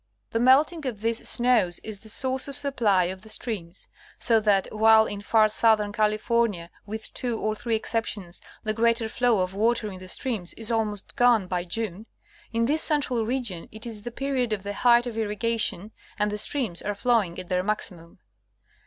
The melting of these snows is the source of supply of the streams ; so that, while in far southern California, with two or three exceptions, the greater flow of water in the streams is almost gone by June, in this central region it is the period of the height of irrigation, and the streams are flowing at their maximum.